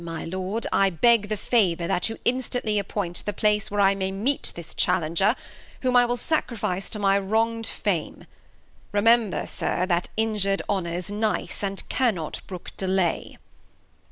My Lord, I beg The Favour that you'd instantly appoint The Place where I may meet this Challenger, Whom I will sacrifice to my wrong' d Fame ; Remember, Sir, that injur'd Honour's nice. And cannot brook delay.